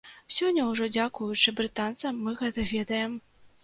Сёння ўжо дзякуючы брытанцам мы гэта ведаем.